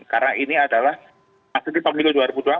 karena ini adalah maksudnya pemilu dua ribu dua puluh empat